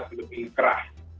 sebelum ini kerah